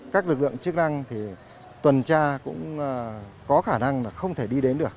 các lực lượng chức năng tuần tra cũng có khả năng không thể đi đến được